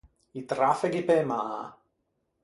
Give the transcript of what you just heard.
I trafeghi pe mâ.